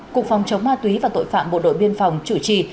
cục phòng chống ma túy và tội phạm bộ đội biên phòng chủ trì